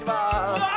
うわ！